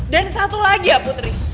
dan satu lagi ya putri